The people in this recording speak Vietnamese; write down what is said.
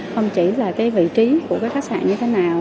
không chỉ là cái vị trí của cái khách sạn như thế nào